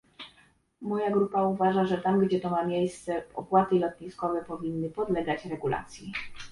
Moja grupa uważa, że tam, gdzie to ma miejsce, opłaty lotniskowe powinny podlegać regulacji